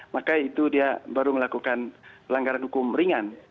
maka itu dia baru melakukan pelanggaran hukum ringan